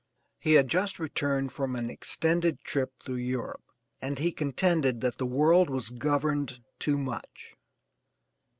He had just returned from an extended trip through Europe, and he contended that the world was governed too much.